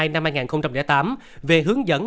năm hai nghìn tám về hướng dẫn